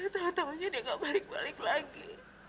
tahu tahunya dia gak balik balik lagi